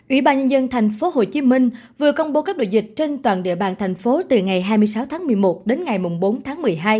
ủy ban nhân dân tp hcm vừa công bố cấp độ dịch trên toàn địa bàn tp hcm từ ngày hai mươi sáu tháng một mươi một đến ngày bốn tháng một mươi hai